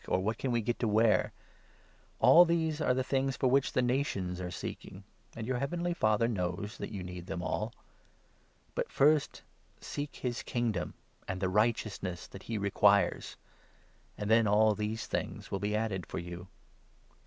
' or ' What can we get to wear ?' All these are the 32 things for which the nations are seeking, and your heavenly Father knows that you need them all. But first seek his 33 Kingdom and the righteousness that he requires, and then all these things shall be added for you.